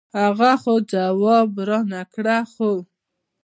هغه خو جواب رانۀ کړۀ خو